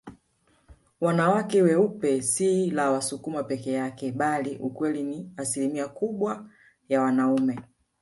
Wanawake weupe si la Wasukuma peke yake bali ukweli ni asimilia kubwa ya wanaume